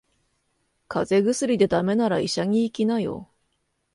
風邪薬で駄目なら医者に行きなよ。